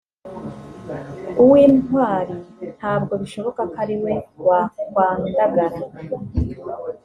uw’intwari ntabwo bishoboka ko ari we wakwandagara